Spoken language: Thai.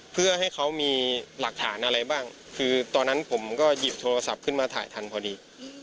เพื่อให้เขามีหลักฐานอะไรบ้างคือตอนนั้นผมก็หยิบโทรศัพท์ขึ้นมาถ่ายทันพอดี